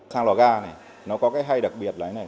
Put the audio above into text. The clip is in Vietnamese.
sang lò ga này nó có cái hay đặc biệt là cái này